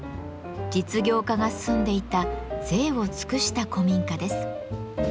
実業家が住んでいた贅を尽くした古民家です。